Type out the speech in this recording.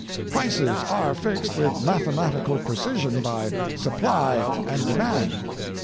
Prices are fixed with mathematical precision by supply and demand.